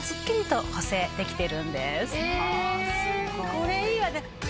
これいいわね！